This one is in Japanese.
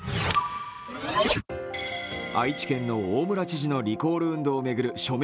愛知県の大村知事のリコール運動を巡る署名